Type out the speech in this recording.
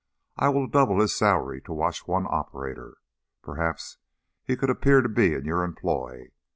I will double his salary to watch one operator. Perhaps he could appear to be in your employ?